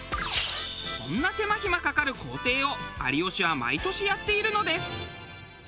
こんな手間ひまかかる工程を有吉は毎年やっているのです。